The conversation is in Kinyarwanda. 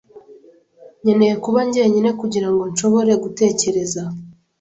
Nkeneye kuba jyenyine kugirango nshobore gutekereza.